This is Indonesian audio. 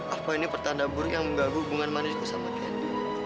apa ini pertanda buruk yang mengganggu hubungan manisku sama kendi